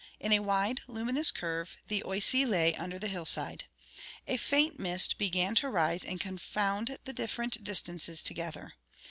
In a wide, luminous curve, the Oise lay under the hillside. A faint mist began to rise and confound the different distances together.